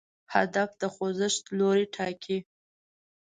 هدف د خوځښت لوری ټاکي.